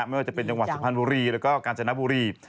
ไม่ว่าจะเป็นจังหวัดสุพรรณบุรีแล้วก็กาญจนบุรี